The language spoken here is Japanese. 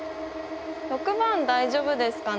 ６番大丈夫ですかね？